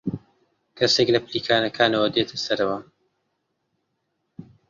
کەسێک لە پلیکانەکانەوە دێتە سەرەوە.